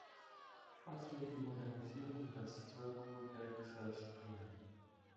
Was wird die Modernisierung des Zollkodexes bringen?